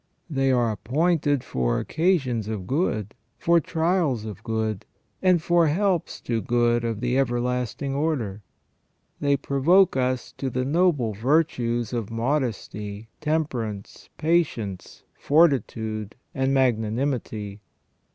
They are appointed for occasions of good, for trials of good, and for helps to good of the everlasting order. They provoke us to the noble virtues of modesty, temperance, patience, fortitude, and magnanimity.